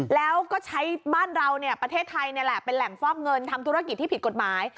แล้วก็ใช้บ้านเราประเทศไทยนี่แหละเป็นแหล่งฟอกเงินทำธุรกิจที่ผิดกฎหมาย